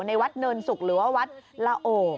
ในวัดเนินสุกหรือว่าวัดละโอ